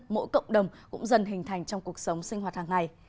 mỗi cộng đồng cũng dần hình thành trong cuộc sống sinh hoạt hàng ngày